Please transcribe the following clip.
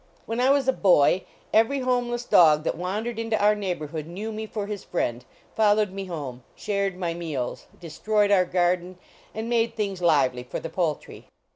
When I was a boy, every homeless dog that wandered into our neighborhood knew me for his friend, followed me home, shared my meals, de stroyed our garden, and made things lively for the poultry.